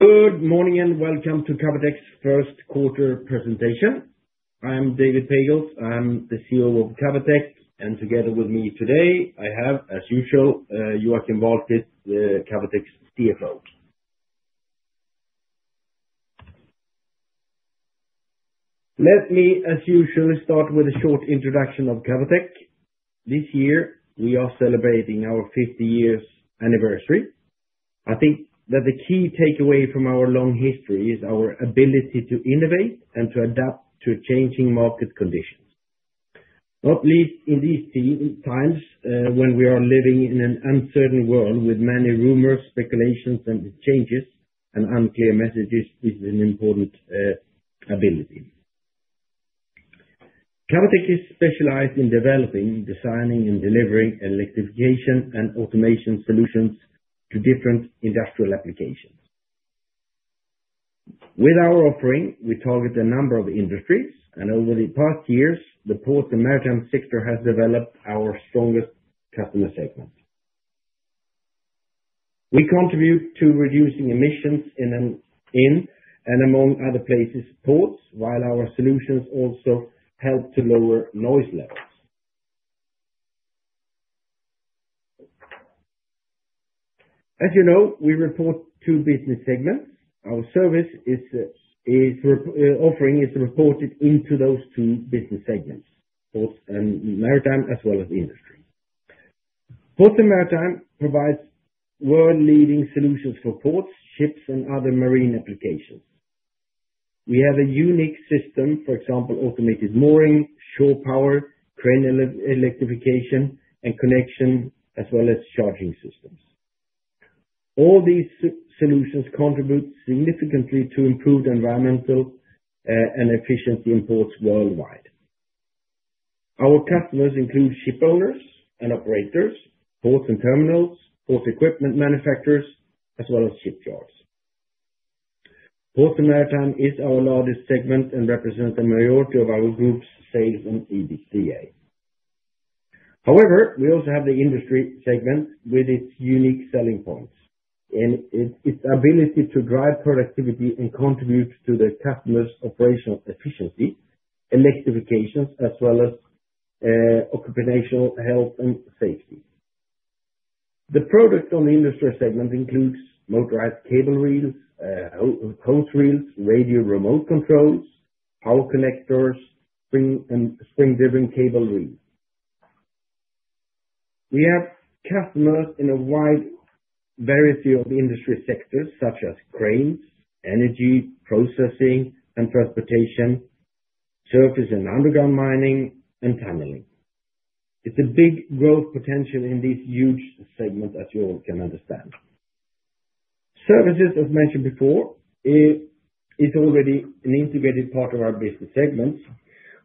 Good morning and welcome to Cavotec's first quarter presentation. I'm David Pagels. I'm the CEO of Cavotec, and together with me today, I have, as usual, Joakim Wahlquist, Cavotec's CFO. Let me, as usual, start with a short introduction of Cavotec. This year, we are celebrating our 50-year anniversary. I think that the key takeaway from our long history is our ability to innovate and to adapt to changing market conditions. Not least in these times when we are living in an uncertain world with many rumors, speculations, and changes, and unclear messages is an important ability. Cavotec is specialized in developing, designing, and delivering electrification and automation solutions to different industrial applications. With our offering, we target a number of industries, and over the past years, the port and maritime sector has developed our strongest customer segment. We contribute to reducing emissions in and among other places, ports, while our solutions also help to lower noise levels. As you know, we report to business segments. Our service offering is reported into those two business segments: ports and maritime, as well as industry. Ports and maritime provides world-leading solutions for ports, ships, and other marine applications. We have a unique system, for example, automated mooring, shore power, crane electrification, and connection, as well as charging systems. All these solutions contribute significantly to improved environmental and efficiency in ports worldwide. Our customers include ship owners and operators, ports and terminals, port equipment manufacturers, as well as shipyards. Ports and maritime is our largest segment and represents the majority of our group's sales in EBITA. However, we also have the industry segment with its unique selling points and its ability to drive productivity and contribute to the customer's operational efficiency, electrification, as well as occupational health and safety. The product on the industrial segment includes motorized cable reels, hose reels, radio remote controls, power connectors, and spring-driven cable reels. We have customers in a wide variety of industry sectors such as cranes, energy processing, and transportation, surface and underground mining, and tunneling. It's a big growth potential in this huge segment, as you all can understand. Services, as mentioned before, is already an integrated part of our business segment.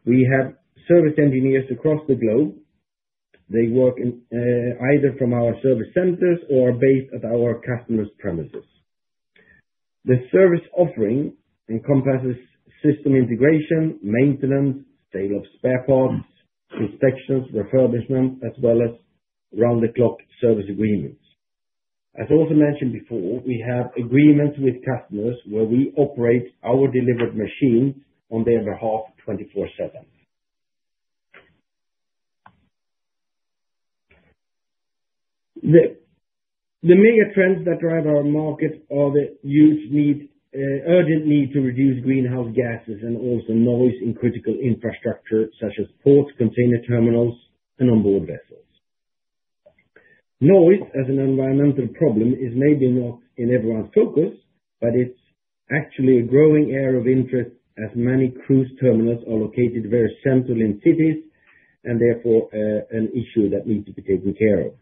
We have service engineers across the globe. They work either from our service centers or are based at our customers' premises. The service offering encompasses system integration, maintenance, sale of spare parts, inspections, refurbishment, as well as round-the-clock service agreements. As also mentioned before, we have agreements with customers where we operate our delivered machines on their behalf 24/7. The mega trends that drive our market are the urgent need to reduce greenhouse gases and also noise in critical infrastructure such as ports, container terminals, and onboard vessels. Noise, as an environmental problem, is maybe not in everyone's focus, but it's actually a growing area of interest as many cruise terminals are located very central in cities and therefore an issue that needs to be taken care of.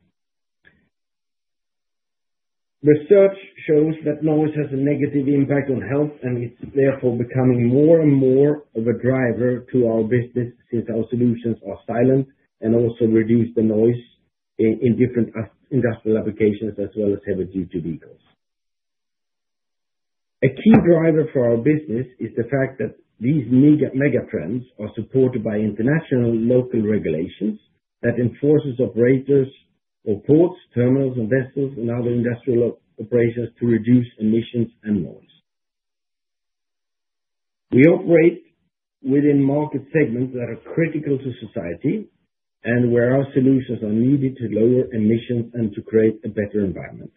Research shows that noise has a negative impact on health, and it's therefore becoming more and more of a driver to our business since our solutions are silent and also reduce the noise in different industrial applications as well as heavy-duty vehicles. A key driver for our business is the fact that these mega trends are supported by international local regulations that enforce operators or ports, terminals, and vessels in other industrial operations to reduce emissions and noise. We operate within market segments that are critical to society and where our solutions are needed to lower emissions and to create a better environment.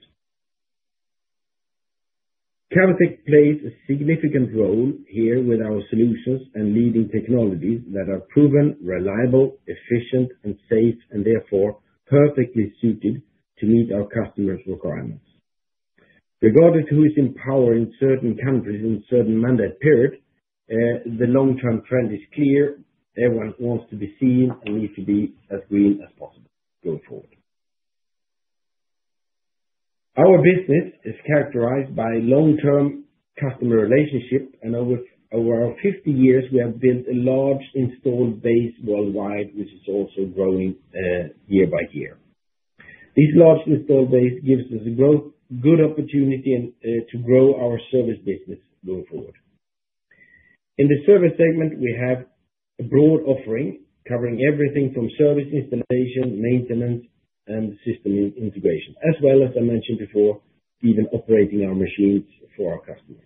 Cavotec plays a significant role here with our solutions and leading technologies that are proven, reliable, efficient, and safe, and therefore perfectly suited to meet our customers' requirements. Regarding who is in power in certain countries in a certain mandate period, the long-term trend is clear. Everyone wants to be seen and needs to be as green as possible going forward. Our business is characterized by long-term customer relationships, and over our 50 years, we have built a large installed base worldwide, which is also growing year by year. This large installed base gives us a good opportunity to grow our service business going forward. In the service segment, we have a broad offering covering everything from service installation, maintenance, and system integration, as well as, I mentioned before, even operating our machines for our customers.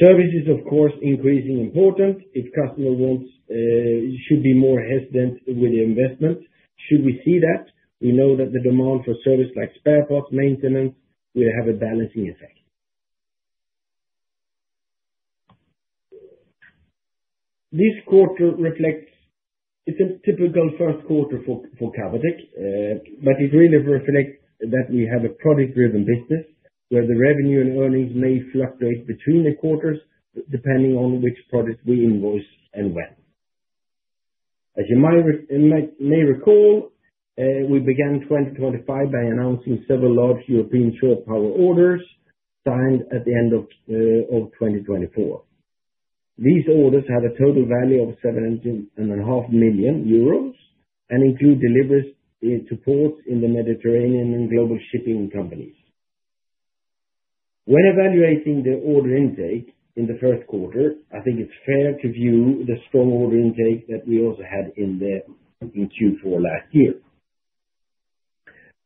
Service is, of course, increasingly important. If customers should be more hesitant with the investment, should we see that? We know that the demand for service like spare parts, maintenance, will have a balancing effect. This quarter reflects, it's a typical first quarter for Cavotec, but it really reflects that we have a product-driven business where the revenue and earnings may fluctuate between the quarters depending on which product we invoice and when. As you may recall, we began 2025 by announcing several large European shore power orders signed at the end of 2024. These orders have a total value of 7.5 million euros and include deliveries to ports in the Mediterranean and global shipping companies. When evaluating the order intake in the first quarter, I think it's fair to view the strong order intake that we also had in Q4 last year.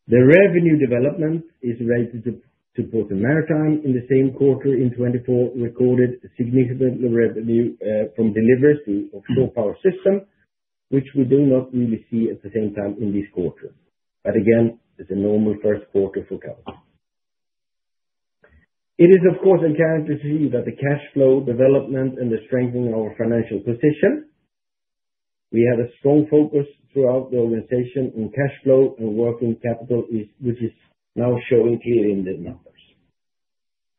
The revenue development is related to port and maritime in the same quarter in 2024 recorded significant revenue from deliveries to offshore power systems, which we do not really see at the same time in this quarter. It is, of course, encouraging to see that the cash flow development and the strengthening of our financial position. We had a strong focus throughout the organization on cash flow and working capital, which is now showing clearly in the numbers.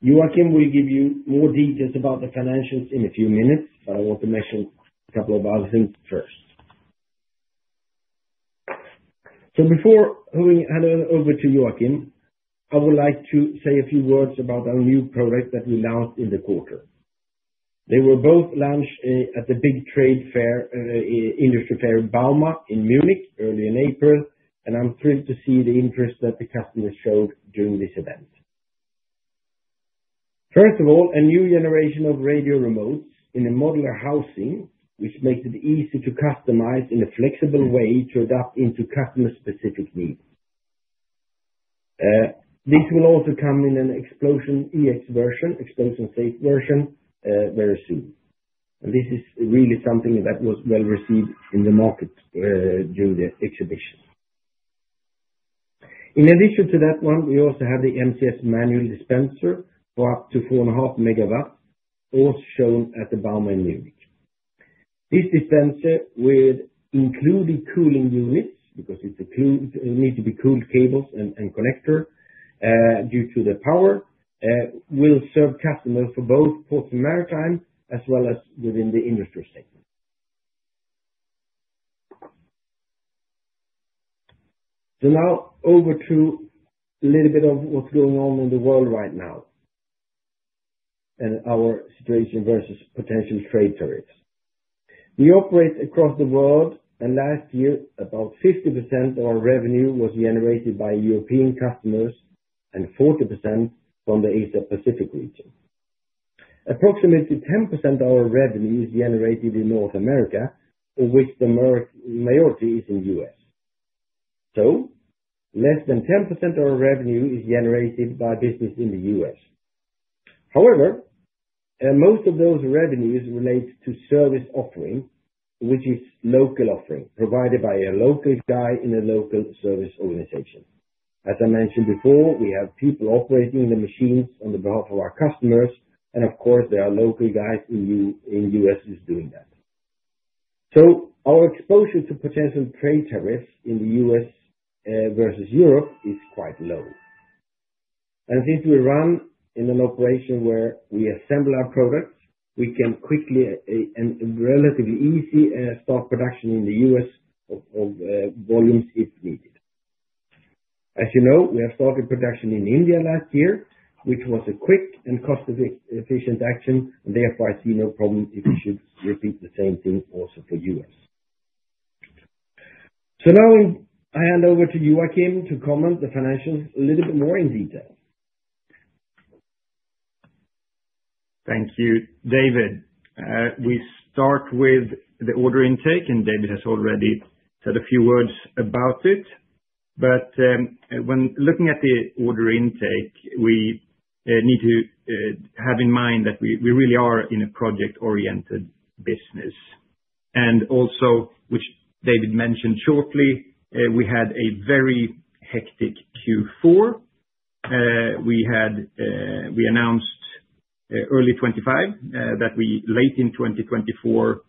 Joakim will give you more details about the financials in a few minutes, but I want to mention a couple of others first. Before handing it over to Joakim, I would like to say a few words about our new product that we launched in the quarter. They were both launched at the big trade fair, industry fair Bauma in Munich early in April, and I'm thrilled to see the interest that the customers showed during this event. First of all, a new generation of radio remotes in a modular housing, which makes it easy to customize in a flexible way to adapt into customer-specific needs. This will also come in an Explosion EX version, Explosion Safe version, very soon. This is really something that was well received in the market during the exhibition. In addition to that one, we also have the MCS manual dispenser for up to 4.5 MW, also shown at the Bauma in Munich. This dispenser, with included cooling units, because it needs to be cooled cables and connectors due to the power, will serve customers for both ports and maritime as well as within the industry segment. Now over to a little bit of what's going on in the world right now and our situation versus potential trade tariffs. We operate across the world, and last year, about 50% of our revenue was generated by European customers and 40% from the Asia-Pacific region. Approximately 10% of our revenue is generated in North America, of which the majority is in the U.S. Less than 10% of our revenue is generated by business in the U.S. However, most of those revenues relate to service offering, which is local offering provided by a local guy in a local service organization. As I mentioned before, we have people operating the machines on the behalf of our customers, and of course, there are local guys in the U.S. who are doing that. Our exposure to potential trade tariffs in the U.S. versus Europe is quite low. Since we run in an operation where we assemble our products, we can quickly and relatively easily start production in the U.S. of volumes if needed. As you know, we have started production in India last year, which was a quick and cost-efficient action, and therefore I see no problem if we should repeat the same thing also for the U.S. I hand over to Joakim to comment on the financials a little bit more in detail. Thank you, David. We start with the order intake, and David has already said a few words about it. When looking at the order intake, we need to have in mind that we really are in a project-oriented business. Also, which David mentioned shortly, we had a very hectic Q4. We announced early 2025 that we late in 2024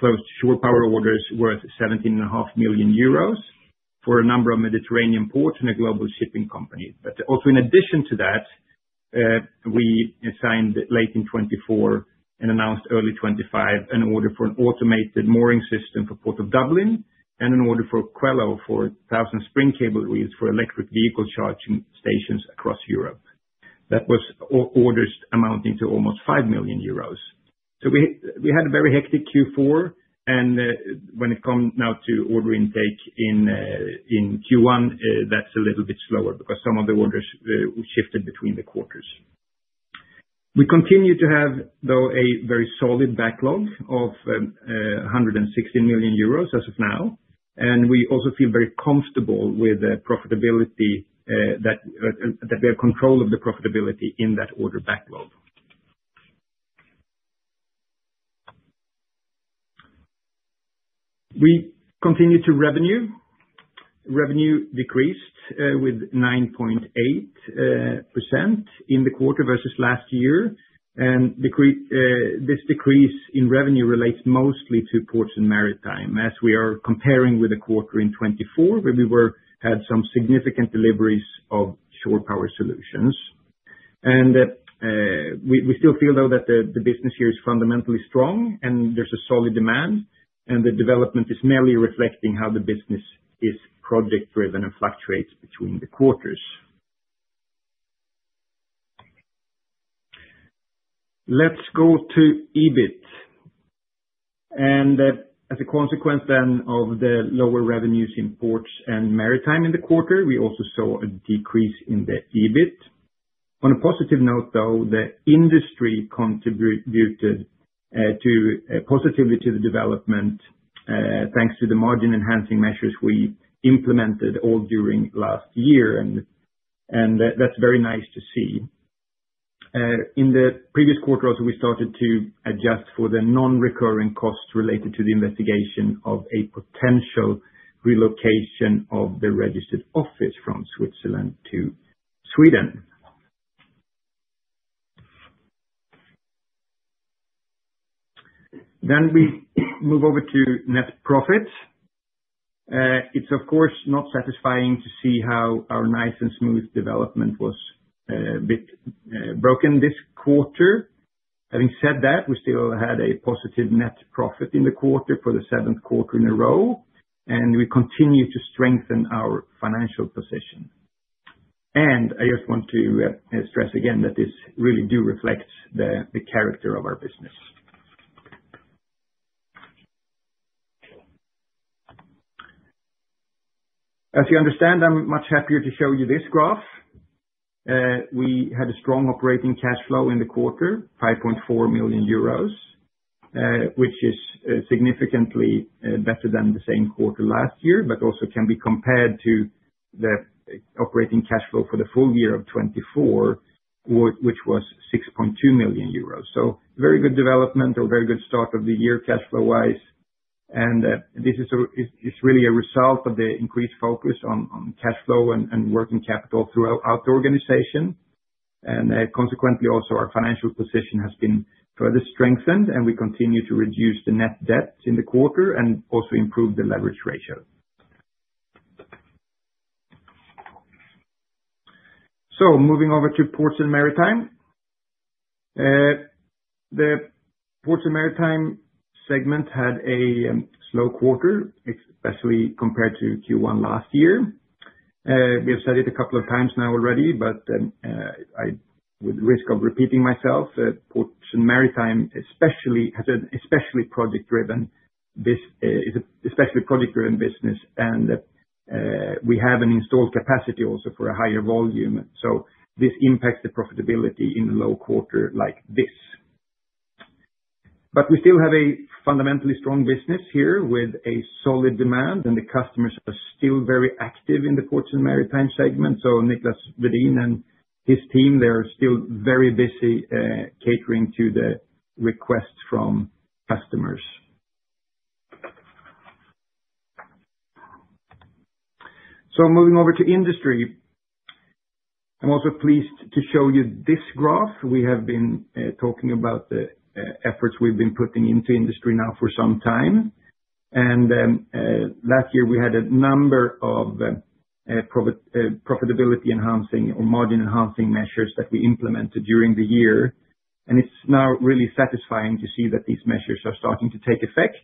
closed shore power orders worth 17.5 million euros for a number of Mediterranean ports and a global shipping company. Also, in addition to that, we signed late in 2024 and announced early 2025 an order for an automated mooring system for Port of Dublin and an order for Quello for 1,000 spring cable reels for electric vehicle charging stations across Europe. That was orders amounting to almost 5 million euros. We had a very hectic Q4, and when it comes now to order intake in Q1, that's a little bit slower because some of the orders shifted between the quarters. We continue to have, though, a very solid backlog of 116 million euros as of now, and we also feel very comfortable with the profitability that we have control of the profitability in that order backlog. We continue to revenue. Revenue decreased with 9.8% in the quarter versus last year, and this decrease in revenue relates mostly to ports and maritime as we are comparing with the quarter in 2024 where we had some significant deliveries of shore power solutions. We still feel, though, that the business here is fundamentally strong and there's a solid demand, and the development is merely reflecting how the business is project-driven and fluctuates between the quarters. Let's go to EBIT. As a consequence then of the lower revenues in ports and maritime in the quarter, we also saw a decrease in the EBIT. On a positive note, though, the industry contributed positively to the development thanks to the margin-enhancing measures we implemented all during last year, and that's very nice to see. In the previous quarter, also, we started to adjust for the non-recurring costs related to the investigation of a potential relocation of the registered office from Switzerland to Sweden. We move over to net profit. It's, of course, not satisfying to see how our nice and smooth development was a bit broken this quarter. Having said that, we still had a positive net profit in the quarter for the seventh quarter in a row, and we continue to strengthen our financial position. I just want to stress again that this really does reflect the character of our business. As you understand, I'm much happier to show you this graph. We had a strong operating cash flow in the quarter, 5.4 million euros, which is significantly better than the same quarter last year, but also can be compared to the operating cash flow for the full year of 2024, which was 6.2 million euros. Very good development or very good start of the year cash flow-wise. This is really a result of the increased focus on cash flow and working capital throughout the organization. Consequently, also, our financial position has been further strengthened, and we continue to reduce the net debt in the quarter and also improve the leverage ratio. Moving over to ports and maritime. The ports and maritime segment had a slow quarter, especially compared to Q1 last year. We have said it a couple of times now already, but with the risk of repeating myself, ports and maritime especially has an especially project-driven business, and we have an installed capacity also for a higher volume. This impacts the profitability in a low quarter like this. We still have a fundamentally strong business here with a solid demand, and the customers are still very active in the ports and maritime segment. Niklas Wedin and his team, they're still very busy catering to the requests from customers. Moving over to industry. I'm also pleased to show you this graph. We have been talking about the efforts we've been putting into industry now for some time. Last year, we had a number of profitability enhancing or margin-enhancing measures that we implemented during the year. It is now really satisfying to see that these measures are starting to take effect.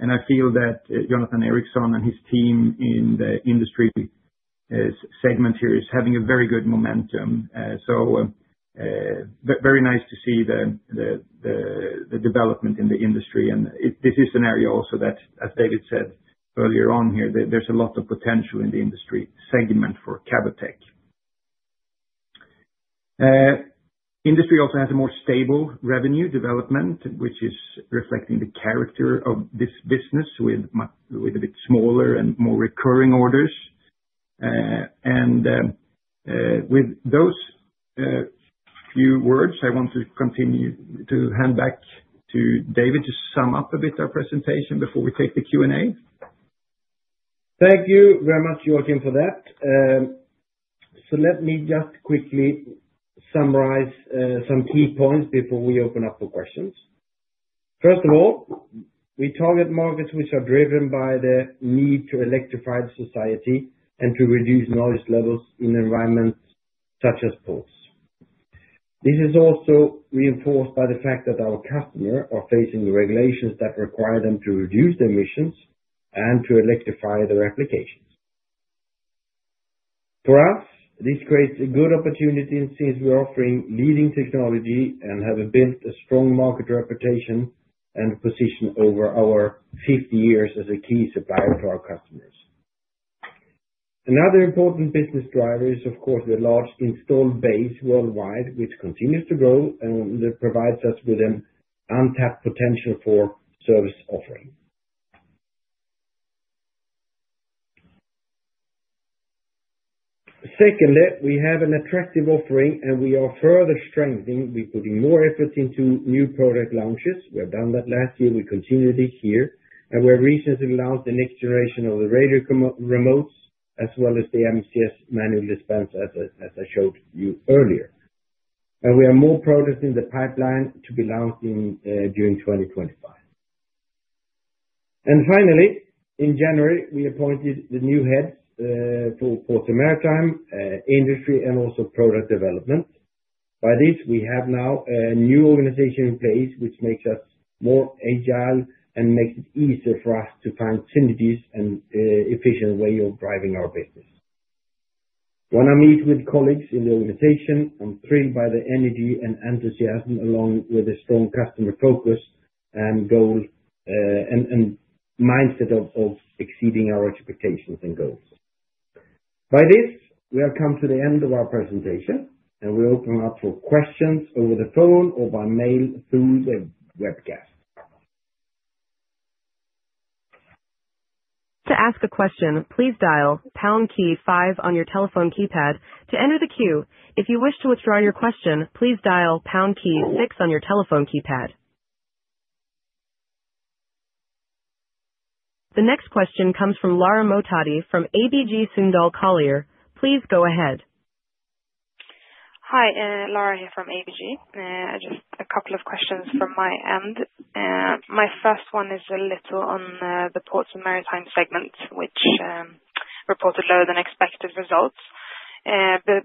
I feel that Jonathan Eriksson and his team in the industry segment here is having a very good momentum. Very nice to see the development in the industry. This is an area also that, as David said earlier on here, there is a lot of potential in the industry segment for Cavotec. Industry also has a more stable revenue development, which is reflecting the character of this business with a bit smaller and more recurring orders. With those few words, I want to continue to hand back to David to sum up a bit our presentation before we take the Q&A. Thank you very much, Joakim, for that. Let me just quickly summarize some key points before we open up for questions. First of all, we target markets which are driven by the need to electrify the society and to reduce noise levels in environments such as ports. This is also reinforced by the fact that our customers are facing regulations that require them to reduce their emissions and to electrify their applications. For us, this creates a good opportunity since we're offering leading technology and have built a strong market reputation and position over our 50 years as a key supplier to our customers. Another important business driver is, of course, the large installed base worldwide, which continues to grow, and it provides us with an untapped potential for service offering. Secondly, we have an attractive offering, and we are further strengthening. We're putting more effort into new product launches. We have done that last year. We continue this year. We have recently launched the next generation of the radio remotes as well as the MCS manual dispenser, as I showed you earlier. We have more products in the pipeline to be launched during 2025. Finally, in January, we appointed the new heads for ports and maritime, industry, and also product development. By this, we have now a new organization in place, which makes us more agile and makes it easier for us to find synergies and an efficient way of driving our business. When I meet with colleagues in the organization, I'm thrilled by the energy and enthusiasm along with the strong customer focus and goal and mindset of exceeding our expectations and goals. By this, we have come to the end of our presentation, and we open up for questions over the phone or by mail through the webcast. To ask a question, please dial pound key five on your telephone keypad to enter the queue. If you wish to withdraw your question, please dial pound key six on your telephone keypad. The next question comes from Lara Mohtadi from ABG Sundal Collier. Please go ahead. Hi, Lara here from ABG. Just a couple of questions from my end. My first one is a little on the ports and maritime segment, which reported lower than expected results.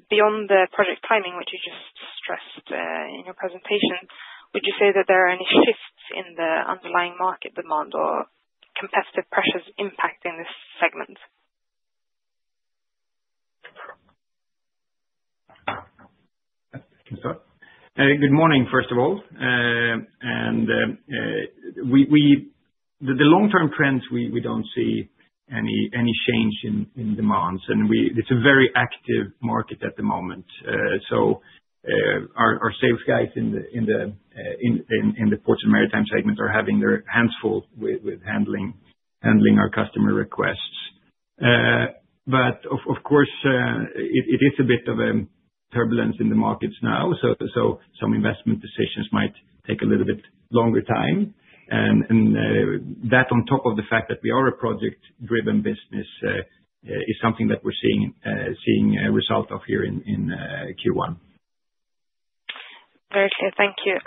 Beyond the project timing, which you just stressed in your presentation, would you say that there are any shifts in the underlying market demand or competitive pressures impacting this segment? Good morning, first of all. The long-term trends, we do not see any change in demands, and it is a very active market at the moment. Our sales guys in the ports and maritime segment are having their hands full with handling our customer requests. Of course, it is a bit of a turbulence in the markets now, so some investment decisions might take a little bit longer time. That on top of the fact that we are a project-driven business is something that we are seeing a result of here in Q1. Very clear. Thank you.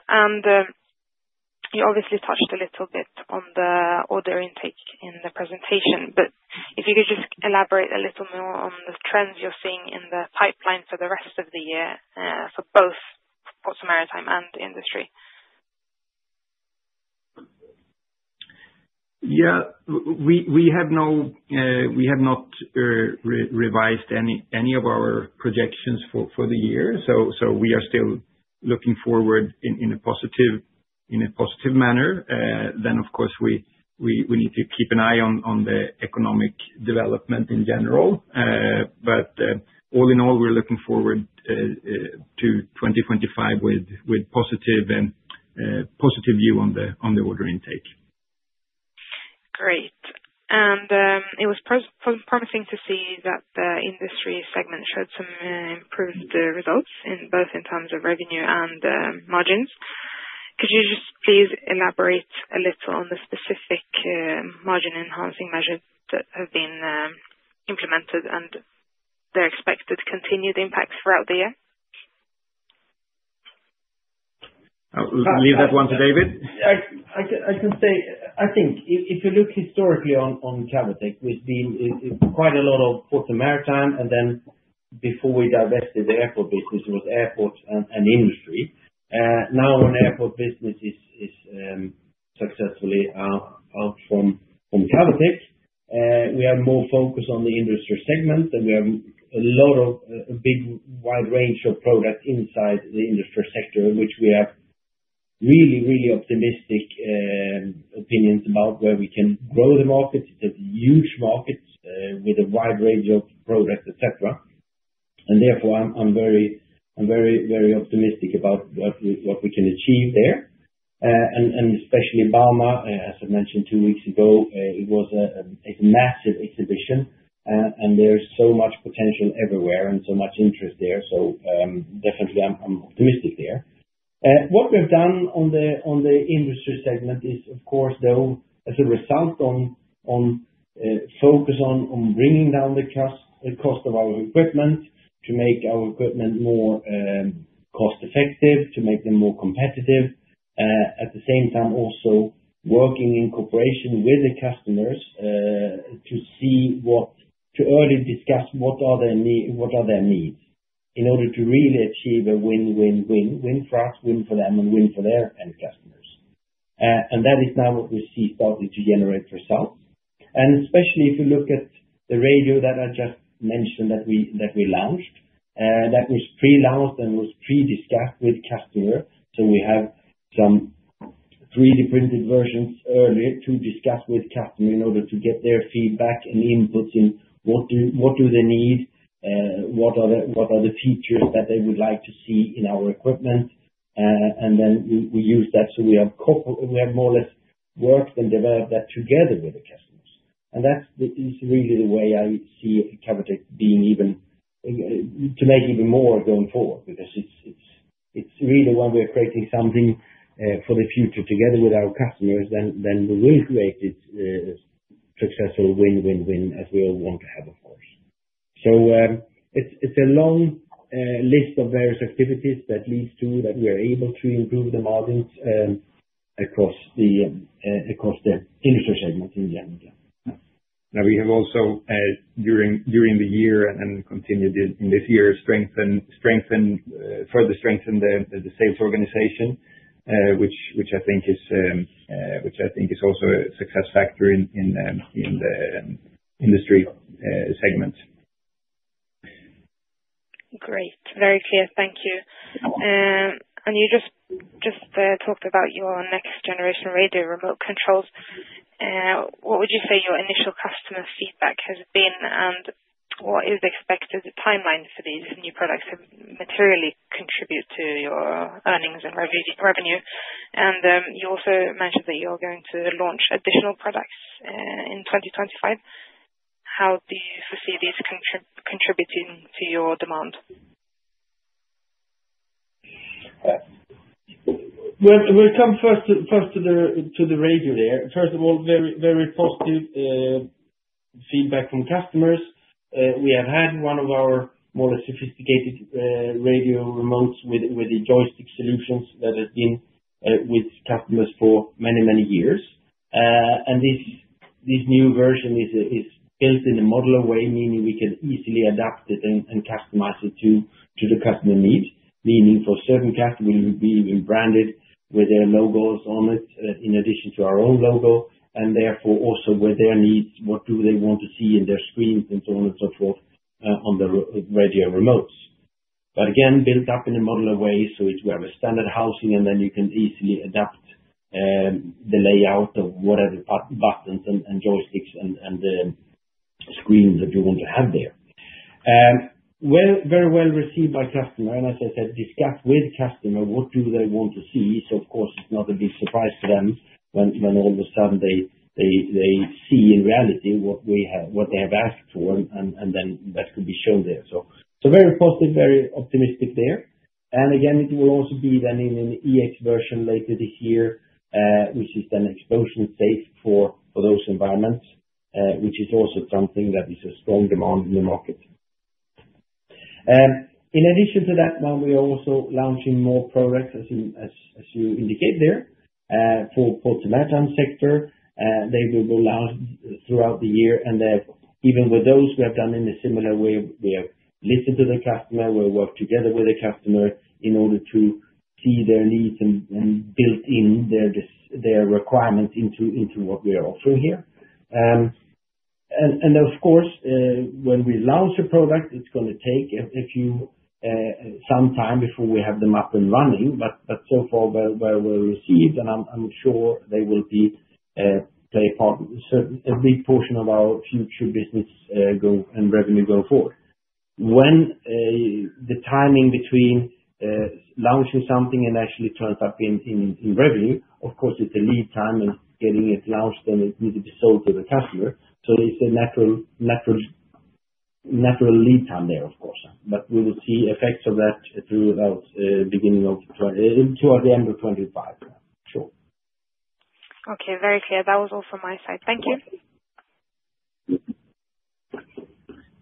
You obviously touched a little bit on the order intake in the presentation, but if you could just elaborate a little more on the trends you're seeing in the pipeline for the rest of the year for both ports and maritime and industry. Yeah. We have not revised any of our projections for the year, so we are still looking forward in a positive manner. Of course, we need to keep an eye on the economic development in general. All in all, we're looking forward to 2025 with a positive view on the order intake. Great. It was promising to see that the industry segment showed some improved results in both in terms of revenue and margins. Could you just please elaborate a little on the specific margin-enhancing measures that have been implemented and their expected continued impacts throughout the year? Leave that one to David. I can say, I think if you look historically on Cavotec, we've been quite a lot of ports and maritime, and then before we divested the airport business, it was airports and industry. Now, when the airport business is successfully out from Cavotec, we have more focus on the industry segment, and we have a lot of a big wide range of products inside the industry sector, which we have really, really optimistic opinions about where we can grow the market. It's a huge market with a wide range of products, etc. I am very, very optimistic about what we can achieve there. Especially Bauma, as I mentioned two weeks ago, it was a massive exhibition, and there's so much potential everywhere and so much interest there. Definitely, I'm optimistic there. What we've done on the industry segment is, of course, as a result on focus on bringing down the cost of our equipment to make our equipment more cost-effective, to make them more competitive, at the same time also working in cooperation with the customers to see what to early discuss what are their needs in order to really achieve a win-win-win for us, win for them, and win for their end customers. That is now what we see starting to generate results. Especially if you look at the radio that I just mentioned that we launched, that was pre-launched and was pre-discussed with customers. We have some 3D-printed versions earlier to discuss with customers in order to get their feedback and inputs in what do they need, what are the features that they would like to see in our equipment. We use that so we have more or less worked and developed that together with the customers. That is really the way I see Cavotec being even to make even more going forward because it is really when we are creating something for the future together with our customers, then we will create this successful win-win-win as we all want to have, of course. It is a long list of various activities that leads to that we are able to improve the margins across the industry segment in general. Now, we have also during the year and continued in this year further strengthened the sales organization, which I think is also a success factor in the industry segment. Great. Very clear. Thank you. You just talked about your next generation radio remote controls. What would you say your initial customer feedback has been, and what is the expected timeline for these new products to materially contribute to your earnings and revenue? You also mentioned that you're going to launch additional products in 2025. How do you foresee these contributing to your demand? We'll come first to the radio there. First of all, very positive feedback from customers. We have had one of our more sophisticated radio remotes with the joystick solutions that have been with customers for many, many years. This new version is built in a modular way, meaning we can easily adapt it and customize it to the customer needs, meaning for certain customers, we'll be branded with their logos on it in addition to our own logo, and therefore also with their needs, what do they want to see in their screens and so on and so forth on the radio remotes. Again, built up in a modular way, so it's with the standard housing, and then you can easily adapt the layout of whatever buttons and joysticks and screens that you want to have there. Very well received by customers. As I said, discuss with customers what do they want to see. Of course, it's not a big surprise to them when all of a sudden they see in reality what they have asked for, and that could be shown there. Very positive, very optimistic there. Again, it will also be then in an EX version later this year, which is exposure safe for those environments, which is also something that is a strong demand in the market. In addition to that, now we are also launching more products, as you indicate there, for the ports and maritime sector. They will be launched throughout the year. Even with those, we have done in a similar way. We have listened to the customer. We work together with the customer in order to see their needs and build in their requirements into what we are offering here. Of course, when we launch a product, it's going to take a few some time before we have them up and running, but so far well received, and I'm sure they will play a big portion of our future business and revenue going forward. When the timing between launching something and actually turns up in revenue, of course, it's a lead time and getting it launched and it needs to be sold to the customer. It is a natural lead time there, of course. We will see effects of that throughout the beginning of toward the end of 2025, sure. Okay. Very clear. That was all from my side. Thank you.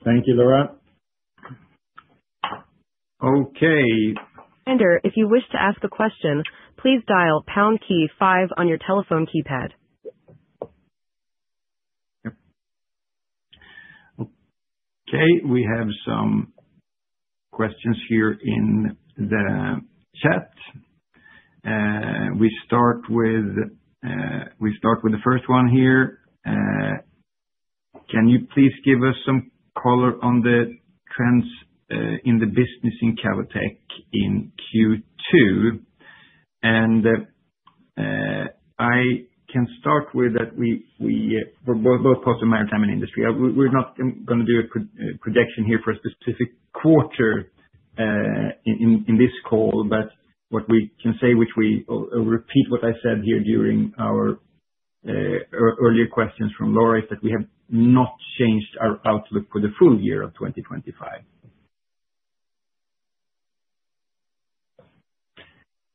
Thank you, Lara. Okay. Standard, if you wish to ask a question, please dial pound key five on your telephone keypad. Okay. We have some questions here in the chat. We start with the first one here. Can you please give us some color on the trends in the business in Cavotec in Q2? I can start with that. We, for both ports and maritime and industry, we're not going to do a projection here for a specific quarter in this call, but what we can say, which we repeat what I said here during our earlier questions from Lara, is that we have not changed our outlook for the full year of 2025.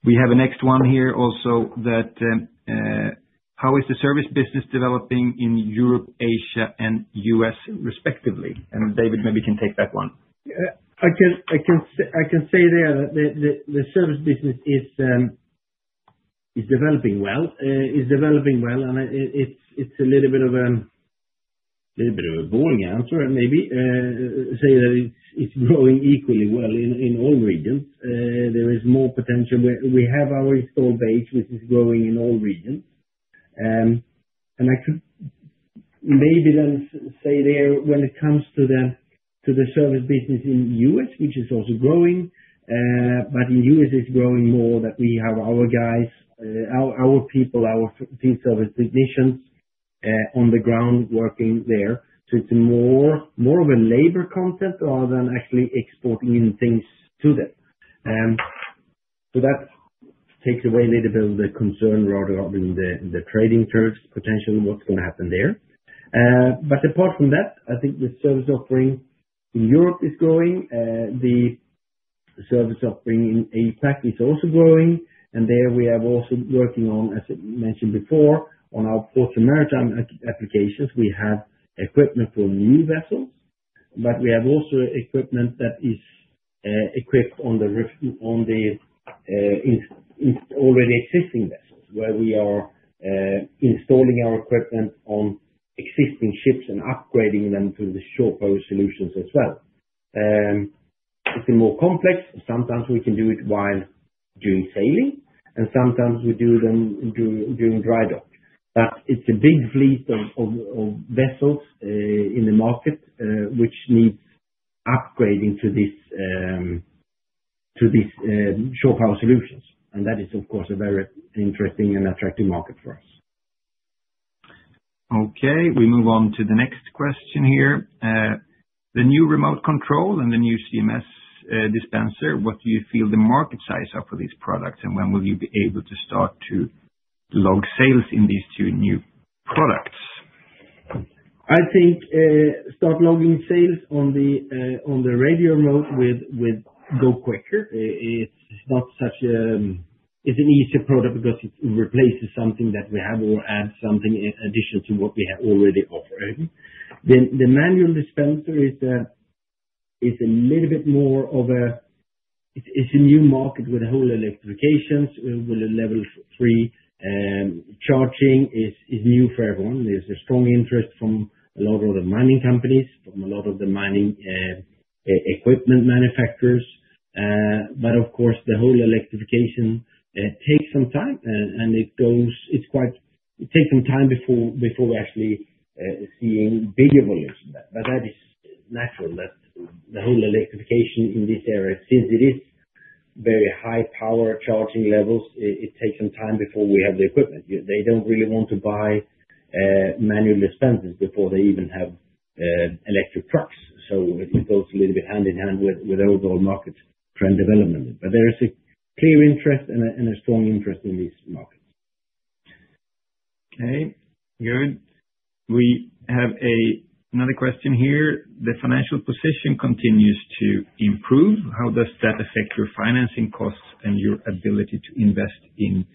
We have a next one here also that, how is the service business developing in Europe, Asia, and U.S. respectively? David, maybe you can take that one. I can say there that the service business is developing well. It's developing well, and it's a little bit of a boring answer, maybe. Say that it's growing equally well in all regions. There is more potential. We have our installed base, which is growing in all regions. I could maybe then say there when it comes to the service business in the U.S., which is also growing, but in the U.S., it's growing more that we have our guys, our people, our field service technicians on the ground working there. It's more of a labor concept rather than actually exporting in things to them. That takes away a little bit of the concern rather than the trading terms potential, what's going to happen there. Apart from that, I think the service offering in Europe is growing. The service offering in APAC is also growing. We have also been working, as I mentioned before, on our ports and maritime applications. We have equipment for new vessels, but we also have equipment that is installed on already existing vessels where we are installing our equipment on existing ships and upgrading them to the shore power solutions as well. It is more complex. Sometimes we can do it while sailing, and sometimes we do them during dry dock. It is a big fleet of vessels in the market, which needs upgrading to these shore power solutions. That is, of course, a very interesting and attractive market for us. Okay. We move on to the next question here. The new remote control and the new MCS manual dispenser, what do you feel the market size are for these products, and when will you be able to start to log sales in these two new products? I think start logging sales on the radio remote with GoQuicker. It's not such a it's an easy product because it replaces something that we have or adds something in addition to what we have already offered. The manual dispenser is a little bit more of a it's a new market with whole electrifications with a level three charging is new for everyone. There's a strong interest from a lot of the mining companies, from a lot of the mining equipment manufacturers. Of course, the whole electrification takes some time, and it goes it's quite it takes some time before we actually see bigger volumes of that. That is natural, that the whole electrification in this area, since it is very high power charging levels, it takes some time before we have the equipment. They don't really want to buy manual dispensers before they even have electric trucks. It goes a little bit hand in hand with the overall market trend development. There is a clear interest and a strong interest in these markets. Okay. Good. We have another question here. The financial position continues to improve. How does that affect your financing costs and your ability to invest in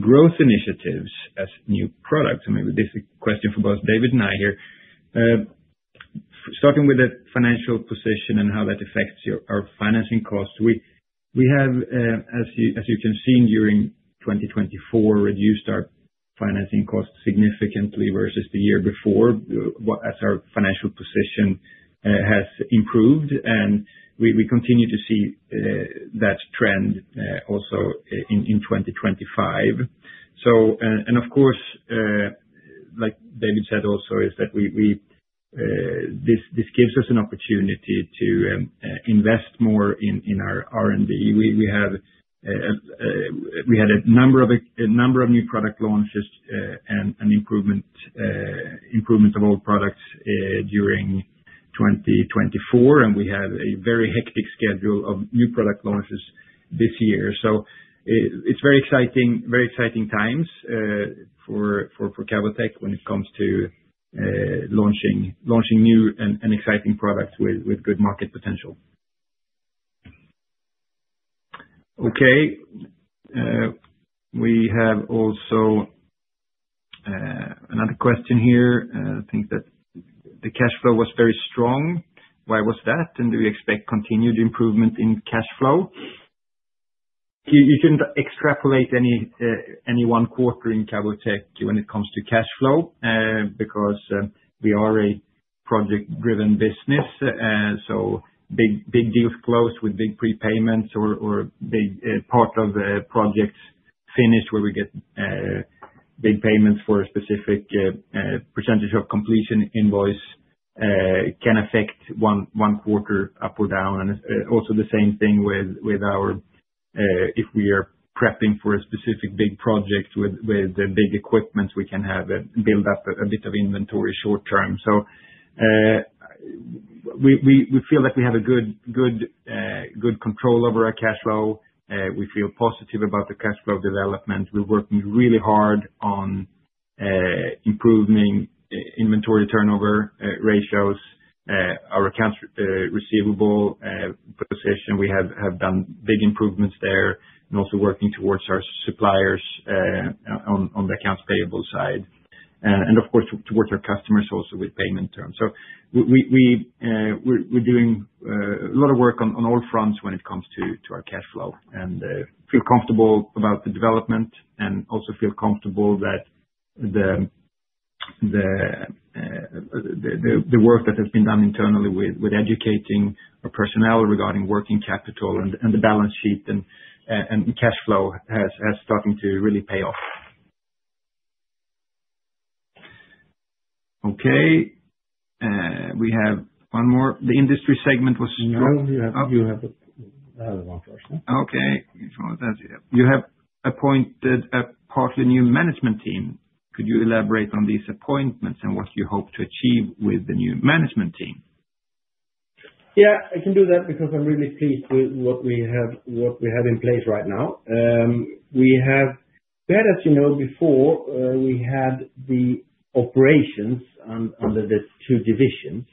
growth initiatives as new products? And maybe this is a question for both David and I here. Starting with the financial position and how that affects our financing costs, we have, as you can see, during 2024, reduced our financing costs significantly versus the year before as our financial position has improved. We continue to see that trend also in 2025. Of course, like David said also, this gives us an opportunity to invest more in our R&D. We had a number of new product launches and improvement of old products during 2024, and we have a very hectic schedule of new product launches this year. It is very exciting, very exciting times for Cavotec when it comes to launching new and exciting products with good market potential. Okay. We have also another question here. I think that the cash flow was very strong. Why was that? And do we expect continued improvement in cash flow? You shouldn't extrapolate any one quarter in Cavotec when it comes to cash flow because we are a project-driven business. Big deals closed with big prepayments or part of projects finished where we get big payments for a specific percentage of completion invoice can affect one quarter up or down. The same thing with our if we are prepping for a specific big project with big equipment, we can have built up a bit of inventory short term. We feel that we have a good control over our cash flow. We feel positive about the cash flow development. We're working really hard on improving inventory turnover ratios, our accounts receivable position. We have done big improvements there and also working towards our suppliers on the accounts payable side. Of course, towards our customers also with payment terms. We're doing a lot of work on all fronts when it comes to our cash flow and feel comfortable about the development and also feel comfortable that the work that has been done internally with educating our personnel regarding working capital and the balance sheet and cash flow has started to really pay off. Okay. We have one more. The industry segment was strong. No, you have another one, for sure. Okay. You have appointed a partly new management team. Could you elaborate on these appointments and what you hope to achieve with the new management team? Yeah. I can do that because I'm really pleased with what we have in place right now. We have, as you know before, we had the operations under the two divisions.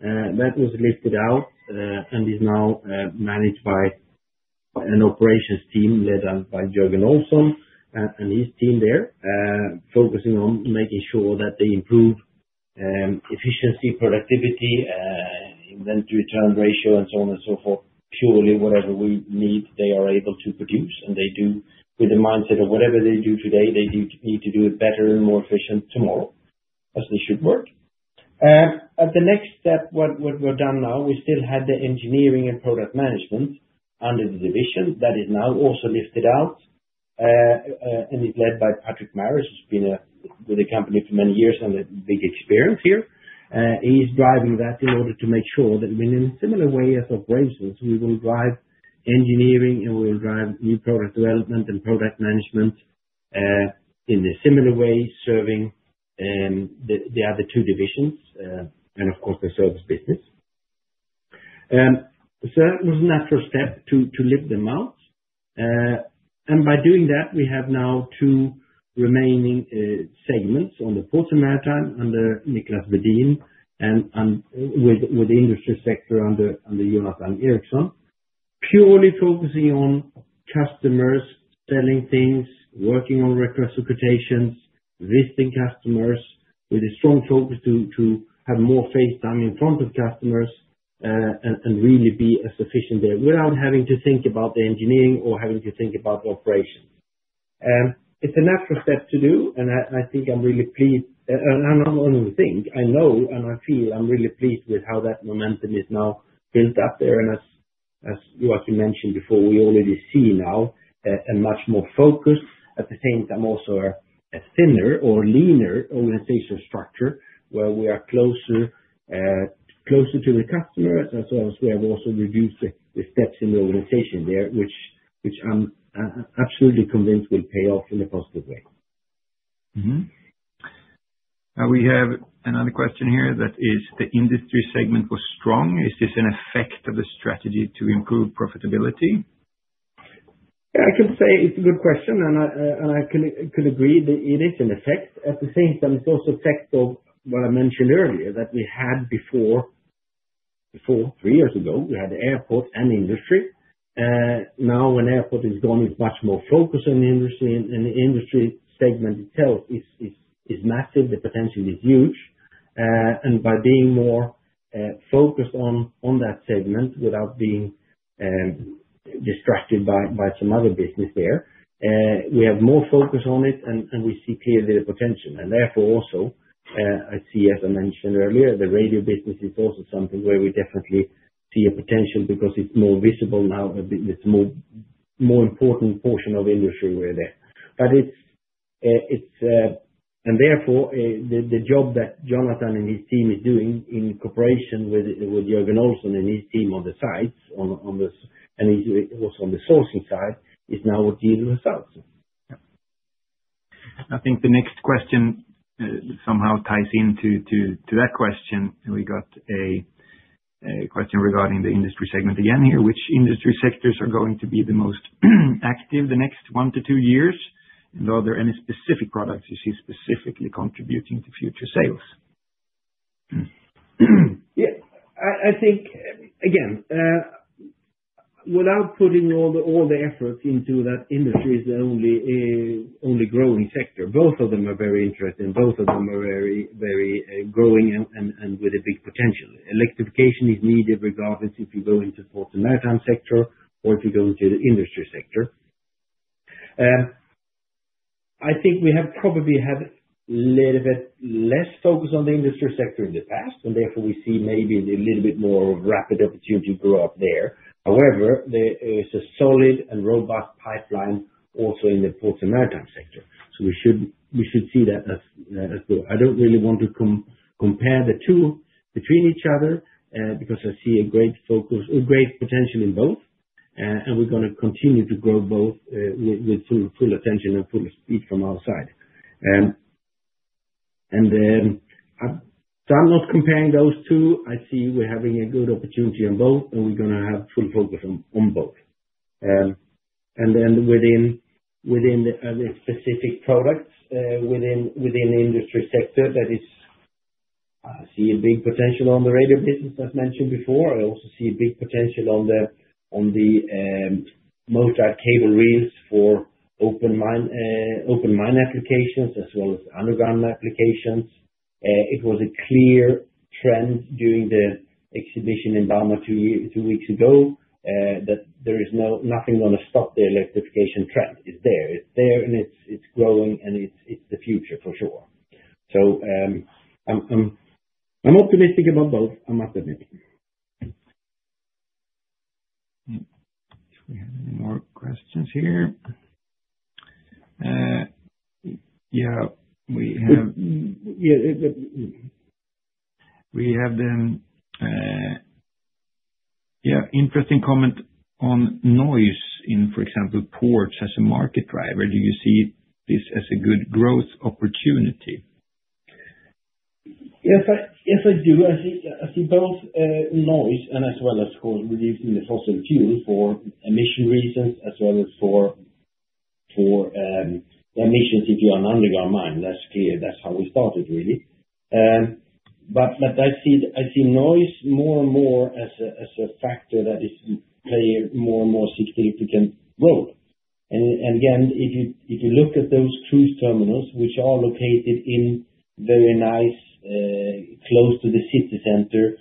That was lifted out and is now managed by an operations team led by Jurgen Olsson and his team there, focusing on making sure that they improve efficiency, productivity, inventory turn ratio, and so on and so forth. Purely whatever we need, they are able to produce, and they do with the mindset of whatever they do today, they need to do it better and more efficient tomorrow as they should work. At the next step, what we've done now, we still had the engineering and product management under the division. That is now also lifted out and is led by Patrick Marris, who's been with the company for many years and a big experience here. He's driving that in order to make sure that we're in a similar way as Operations. We will drive engineering and we'll drive new product development and product management in a similar way, serving the other two divisions and, of course, the service business. That was a natural step to lift them out. By doing that, we have now two remaining segments on the ports and maritime under Niklas Wedin and with the industry sector under Jonathan Eriksson, purely focusing on customers, selling things, working on retro-supplications, visiting customers with a strong focus to have more face time in front of customers and really be as efficient there without having to think about the engineering or having to think about operations. It's a natural step to do, and I think I'm really pleased. And I'm not only think. I know and I feel I'm really pleased with how that momentum is now built up there. As you mentioned before, we already see now a much more focused, at the same time also a thinner or leaner organizational structure where we are closer to the customers. We have also reduced the steps in the organization there, which I'm absolutely convinced will pay off in a positive way. Now we have another question here that is, the industry segment was strong. Is this an effect of the strategy to improve profitability? I can say it's a good question, and I could agree that it is an effect. At the same time, it's also effect of what I mentioned earlier that we had before, three years ago, we had the airport and industry. Now when airport is gone, it's much more focused on the industry, and the industry segment itself is massive. The potential is huge. By being more focused on that segment without being distracted by some other business there, we have more focus on it, and we see clearly the potential. Therefore also, I see, as I mentioned earlier, the radio business is also something where we definitely see a potential because it's more visible now. It's a more important portion of industry where they're there. Therefore, the job that Jonathan and his team is doing in cooperation with Jurgen Olsson and his team on the sites and also on the sourcing side is now with deal results. I think the next question somehow ties into that question. We got a question regarding the industry segment again here. Which industry sectors are going to be the most active the next one to two years? Are there any specific products you see specifically contributing to future sales? Yeah. I think, again, without putting all the efforts into that industry is the only growing sector. Both of them are very interesting. Both of them are very growing and with a big potential. Electrification is needed regardless if you go into the ports and maritime sector or if you go into the industry sector. I think we have probably had a little bit less focus on the industry sector in the past, and therefore we see maybe a little bit more of rapid opportunity grow up there. However, there is a solid and robust pipeline also in the ports and maritime sector. We should see that as growing. I do not really want to compare the two between each other because I see a great focus, a great potential in both, and we are going to continue to grow both with full attention and full speed from our side. I'm not comparing those two. I see we're having a good opportunity on both, and we're going to have full focus on both. Within the specific products within the industry sector, that is, I see a big potential on the radio business, as mentioned before. I also see a big potential on the motor cable reels for open mine applications as well as underground applications. It was a clear trend during the exhibition in Bauma two weeks ago that there is nothing going to stop the electrification trend. It's there. It's there, and it's growing, and it's the future for sure. I'm optimistic about both, I must admit. Do we have any more questions here? Yeah. We have an interesting comment on noise in, for example, ports as a market driver. Do you see this as a good growth opportunity? Yes, I do. I see both noise and as well as reducing the fossil fuel for emission reasons as well as for emissions if you're an underground mine. That's clear. That's how we started, really. I see noise more and more as a factor that is playing a more and more significant role. Again, if you look at those cruise terminals, which are located in very nice, close to the city center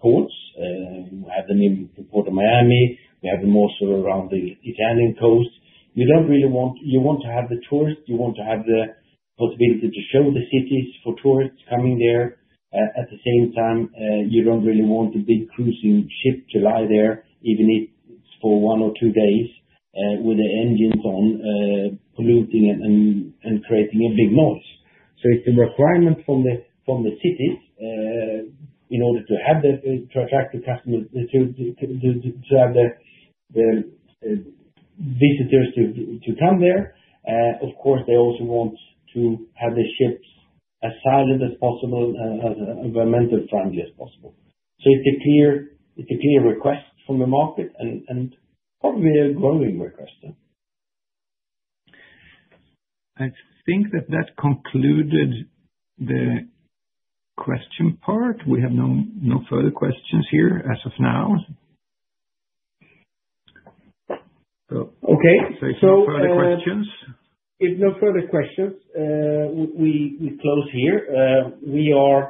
ports, we have them in the Port of Miami. We have them also around the Italian coast. You don't really want you want to have the tourist. You want to have the possibility to show the cities for tourists coming there. At the same time, you don't really want a big cruising ship to lie there, even if it's for one or two days with the engines on, polluting and creating a big noise. It's a requirement from the cities in order to have the attractive customers to have the visitors to come there. Of course, they also want to have the ships as silent as possible and as environmentally friendly as possible. It's a clear request from the market and probably a growing request. I think that that concluded the question part. We have no further questions here as of now. Okay. If there are no further questions. If no further questions, we close here.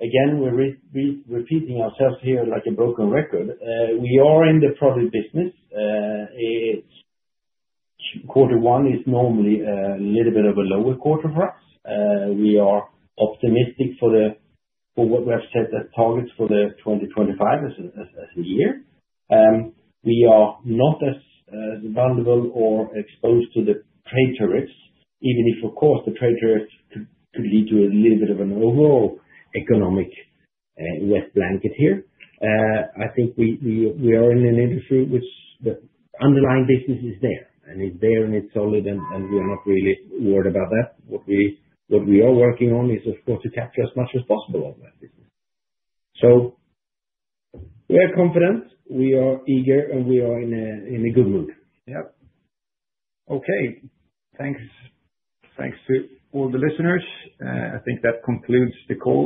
Again, we're repeating ourselves here like a broken record. We are in the product business. Quarter one is normally a little bit of a lower quarter for us. We are optimistic for what we have set as targets for 2025 as a year. We are not as vulnerable or exposed to the trade tariffs, even if, of course, the trade tariffs could lead to a little bit of an overall economic wet blanket here. I think we are in an industry which the underlying business is there, and it's there, and it's solid, and we are not really worried about that. What we are working on is, of course, to capture as much as possible of that business. We are confident. We are eager, and we are in a good mood. Yep. Okay. Thanks to all the listeners. I think that concludes the call.